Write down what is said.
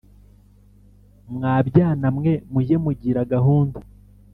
Mwa byana mwe mujye mugira gahunda